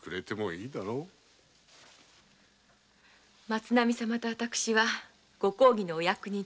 松波様と私はご公儀のお役人と商人。